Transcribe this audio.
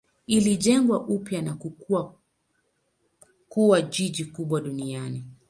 Ilijengwa upya na kukua kuwa jiji kubwa duniani.